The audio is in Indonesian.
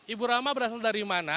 ibu rama berasal dari mana